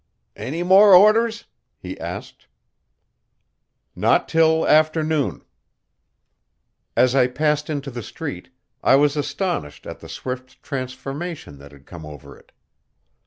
"Any more orders?" he asked. "Not till afternoon." As I passed into the street I was astonished at the swift transformation that had come over it.